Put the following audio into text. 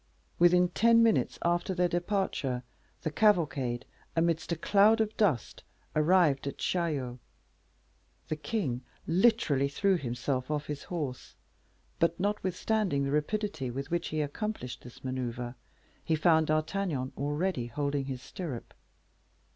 Within ten minutes after their departure, the cavalcade, amidst a cloud of dust, arrived at Chaillot. The king literally threw himself off his horse; but notwithstanding the rapidity with which he accomplished this maneuver, he found D'Artagnan already holding his stirrup.